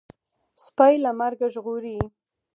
سپى له مرګه ژغوري.